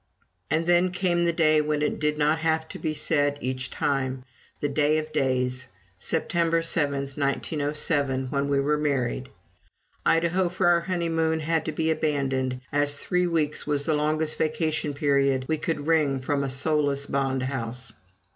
And then came the day when it did not have to be said each time that day of days, September 7, 1907, when we were married. Idaho for our honeymoon had to be abandoned, as three weeks was the longest vacation period we could wring from a soulless bond house.